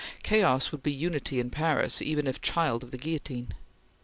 Chaos would be unity in Paris even if child of the guillotine.